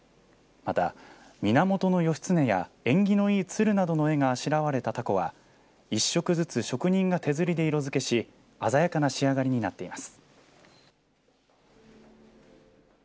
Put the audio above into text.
また、源義経や縁起のいい鶴などの絵があしらわれたたこは一色ずつ職人が手刷りで色付けし鮮やかな仕上がりになっています。